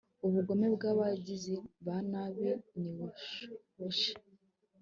ubugome bw'abagizi ba nabi nibuhoshe